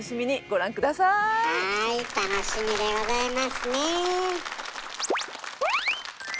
はい楽しみでございますね。